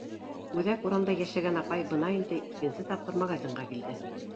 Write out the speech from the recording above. Үҙәк урамда йәшәгән апай бына инде икенсе тапҡыр магазинға килде.